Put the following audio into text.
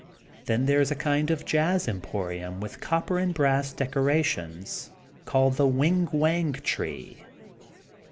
Then there is a kind of a Jazz emporium with copper and brass deco rations, called ''The Whing Whang Tree.